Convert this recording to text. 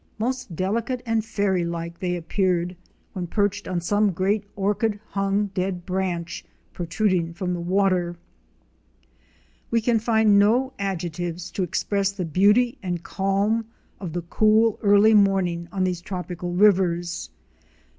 Most delicate and fairy like they appeared when perched on some great orchid hung dead branch pro truding from the water. Fic. 75. Inpran Boys in Duc out. We can find no adjectives to express the beauty and calm of the cool, early morning on these tropical rivers.